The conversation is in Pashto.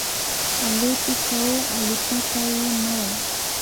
الوت یې کاو الوتکه یې نه وه.